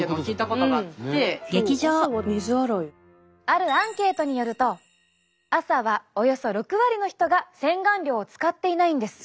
あるアンケートによると朝はおよそ６割の人が洗顔料を使っていないんです。